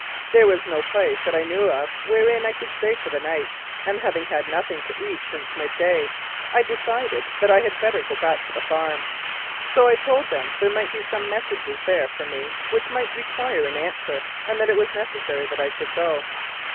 There was no place that I knew of wherein I could stay for the night, and having had nothing to eat since mid day, I decided that I had better go back to the farm. So I told them there might be some messages there for me which might require an answer, and that it was necessary that I should go.